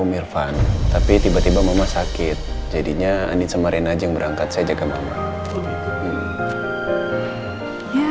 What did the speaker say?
umirvan tapi tiba tiba mama sakit jadinya ani cemerin ajeng berangkat saja ke mama ya